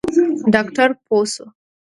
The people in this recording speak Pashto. ډاکتر پوه سو.